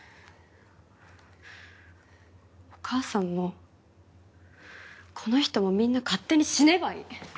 お母さんもこの人もみんな勝手に死ねばいい。